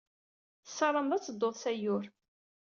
Tessarameḍ ad tedduḍ s Ayyur.